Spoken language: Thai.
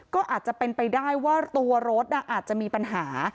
ก็อาจจะเป็นไปได้ว่าตัวรถอาจจะมีปัญหา